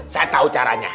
saya tau caranya